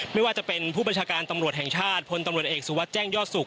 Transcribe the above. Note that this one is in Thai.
ไม่ว่าจะเป็นผู้บัญชาการตำรวจแห่งชาติพลตำรวจเอกสุวัสดิแจ้งยอดสุข